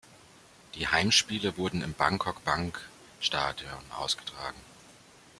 Die Heimspiele wurden im Bangkok-Bank-Stadion ausgetragen.